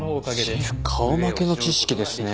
シェフ顔負けの知識ですね。